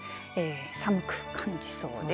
寒く感じそうです。